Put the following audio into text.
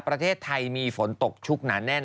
ประเทศไทยมีฝนตกชุกหนาแน่น